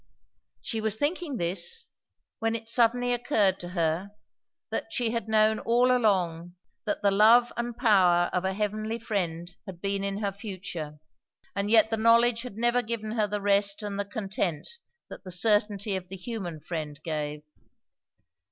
She was thinking this, when it suddenly occurred to her, that she had known all along that the love and power of a heavenly friend had been in her future; and yet the knowledge had never given her the rest and the content that the certainty of the human friend gave.